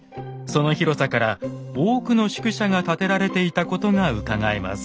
その広さから多くの宿舎が建てられていたことがうかがえます。